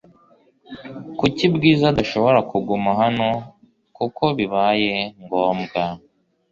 Kuki Bwiza adashobora kuguma hano kuko bibaye ngombwa